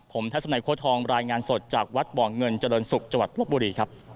ผมทัศนัยโค้ดทองรายงานสดจากวัดหม่องเงินเจริญสุขจโลกบุรีครับ